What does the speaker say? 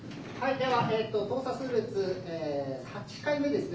では、等差数列８回目ですね。